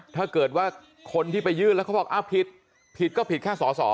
ถ้าเกิดว่าคนที่ไปยื่นแล้วเขาบอกอ้าวผิดผิดก็ผิดแค่สอสอ